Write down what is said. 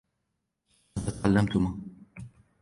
ماذا تعلّمتما ؟